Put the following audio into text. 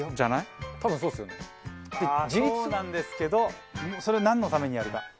ああそうなんですけどそれをなんのためにやるか。